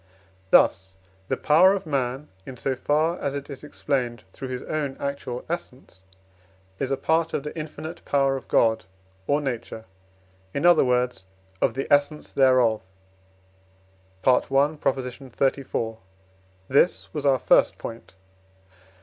Thus the power of man, in so far as it is explained through his own actual essence, is a part of the infinite power of God or Nature, in other words, of the essence thereof (I. xxxiv.). This was our first point.